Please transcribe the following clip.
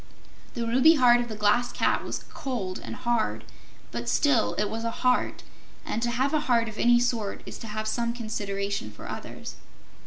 The ruby heart of the Glass Cat was cold and hard, but still it was a heart, and to have a heart of any sort is to have some consideration for others.